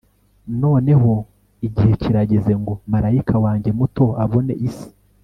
noneho igihe kirageze ngo marayika wanjye muto abone isi